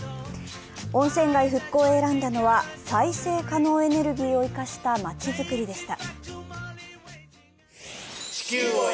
温泉街復興へ選んだのは再生可能エネルギーを生かしたまちづくりでした。